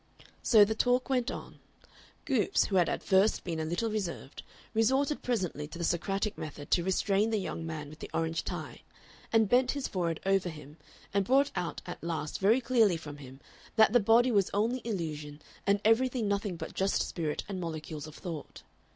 So the talk went on. Goopes, who had at first been a little reserved, resorted presently to the Socratic method to restrain the young man with the orange tie, and bent his forehead over him, and brought out at last very clearly from him that the body was only illusion and everything nothing but just spirit and molecules of thought.